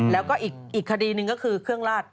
แล้วก็อีกคดีหนึ่งก็คือเครื่องลาด